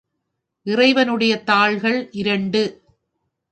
இறைவனுடைய தாள்கள் இரண்டு.